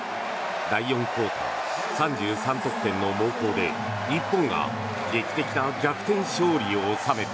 第４クオーター３３得点の猛攻で日本が劇的な逆転勝利を収めた。